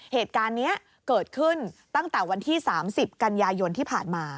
เหตุการณ์นี้เกิดขึ้นตั้งแต่วันที่๓๐กันยายนที่ผ่านมา